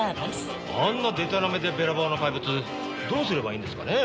あんなでたらめでべらぼうな怪物どうすればいいんですかね？